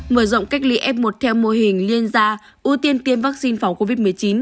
mở rộng cách ly f một theo mô hình liên gia ưu tiên tiêm vaccine phòng covid một mươi chín